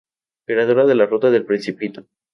Creadora de "la Ruta del Principito".